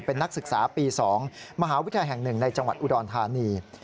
เป็นนักศึกษาปี๒มหาวิทยาลัยแห่ง๑ในจังหวัดอุดรธานี